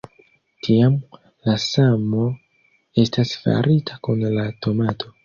Tiam, la samo estas farita kun la tomato.